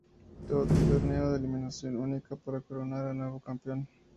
Torneo de eliminación única para coronar a un nuevo campeón.